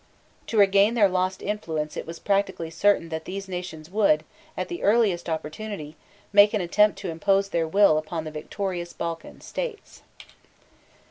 To regain their lost influence it was practically certain that these nations would, at the earliest opportunity, make an attempt to impose their will upon the victorious Balkan states.